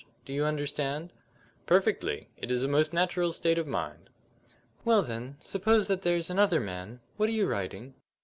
Do you understand?" "Perfectly. It is a most natural state of mind." "Well then, suppose that there's another man what are you writing?"